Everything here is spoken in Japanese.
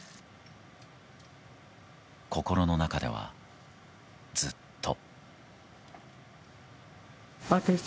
心の中では、ずっと。